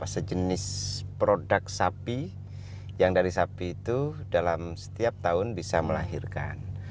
sejenis produk sapi yang dari sapi itu dalam setiap tahun bisa melahirkan